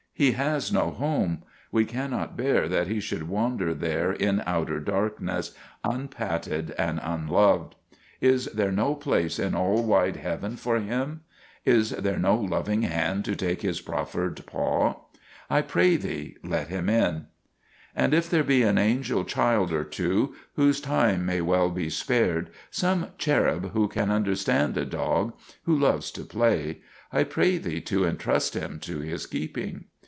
He has no home. We cannot bear that he should wander there in outer darkness, unpatted and un loved. Is there no place in all wide heaven for him ? Is there no loving hand to take his proffered paw? I pray thee, let him in. And if there be an angel child or two whose time may well be spared, some cherub who can under stand a dog, who loves to play, I pray thee to en trust him to his keeping.